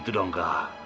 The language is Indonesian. gitu dong kak